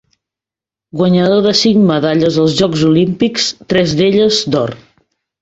Guanyador de cinc medalles als Jocs Olímpics, tres d'elles d'or.